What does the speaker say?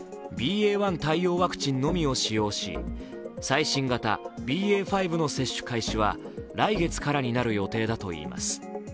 １対応ワクチンのみを使用し最新型ＢＡ．５の接種開始は来月からになる予定だといいます。